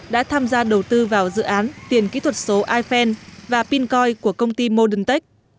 đã tham gia đầu tư vào dự án tiền kỹ thuật số ivan và pincoin của công ty modern tech